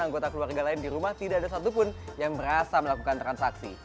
anggota keluarga lain di rumah tidak ada satupun yang merasa melakukan transaksi